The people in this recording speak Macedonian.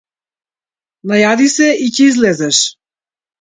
Најади се и ќе излезеш.